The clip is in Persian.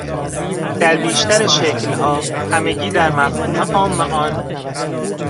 در بیشتر شکلها همگی در مفهوم عام آن